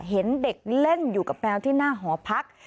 เห็นเด็กเล่นอยู่กับแมวที่หน้าหอพัก